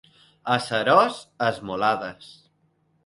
A Seròs, esmolades.